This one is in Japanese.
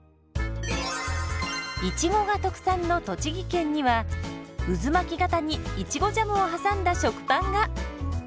いちごが特産の栃木県には渦巻き型にいちごジャムを挟んだ食パンが！